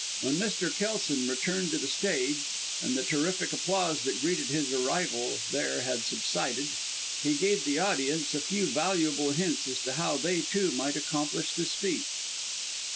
When Mr. Kelson returned to the stage, and the terrific applause that greeted his arrival there had subsided, he gave the audience a few valuable hints as to how they, too, might accomplish this feat.